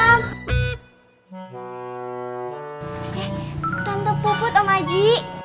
tante puput om aji